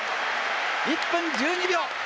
１分１２秒。